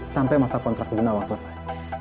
sampai masa kontrak ibu bunawang selesai